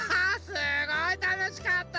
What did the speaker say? すごいたのしかった。